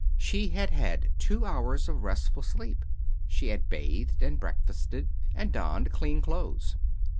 She had had two hours of restful sleep. She had bathed, and breakfasted, and donned clean clothes.